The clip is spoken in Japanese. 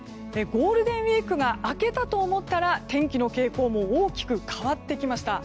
ゴールデンウィークが明けたと思ったら天気の傾向も大きく変わってきました。